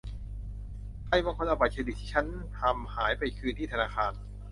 ใครบางคนเอาบัตรเครดิตที่ฉันทำหายไปคืนที่ธนาคาร